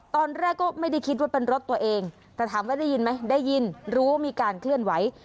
ตอนแรกก็ไม่ได้คิดว่าเป็นรถตัวเองแต่ถามว่าได้ยินไหมได้ยินรู้ว่ามีการเคลื่อนไหว